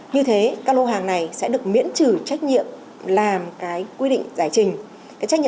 như thế các lô hàng này sẽ được miễn trừ trách nhiệm làm quy định giải trình về nguồn gốc gỗ như quy định của quy chế chín trăm chín mươi năm